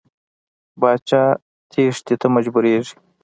پاچا تېښتې ته مجبوریږي.